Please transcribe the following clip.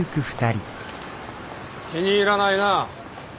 気に入らないな。